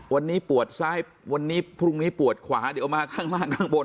วันนี้ปวดซ้ายวันนี้พรุ่งนี้ปวดขวาเดี๋ยวมาข้างล่างข้างบน